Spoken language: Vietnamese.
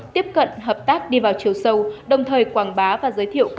tiếp cận hợp tác đi vào chiều sâu đồng thời quảng bá và giới thiệu